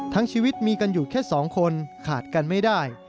ชีวิตมีกันอยู่แค่๒คนขาดกันไม่ได้